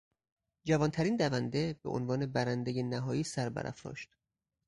جوانترین دونده به عنوان برندهی نهایی سر برافراشت.